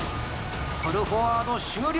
プルフォワード終了！